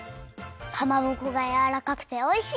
かまぼこがやわらかくておいしい！